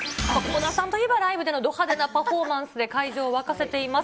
倖田さんといえばライブでのド派手なパフォーマンスで、会場を沸かせています。